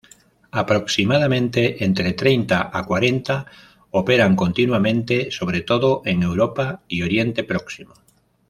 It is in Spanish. Aproximadamente entre treinta a cuarenta operan continuamente, sobre todo en Europa y Oriente Próximo.